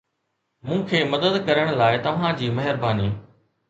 مون کي مدد ڪرڻ لاء توهان جي مهرباني